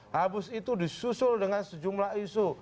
habis itu disusul dengan sejumlah isu